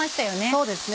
そうですね。